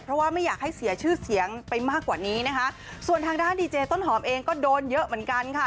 เพราะว่าไม่อยากให้เสียชื่อเสียงไปมากกว่านี้นะคะส่วนทางด้านดีเจต้นหอมเองก็โดนเยอะเหมือนกันค่ะ